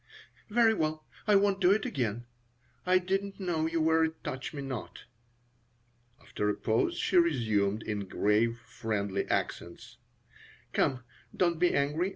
"Very well, I won't do it again. I didn't know you were a touch me not." After a pause she resumed, in grave, friendly accents: "Come, don't be angry.